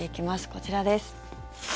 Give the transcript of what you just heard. こちらです。